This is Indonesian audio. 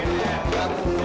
bentar bentar bentar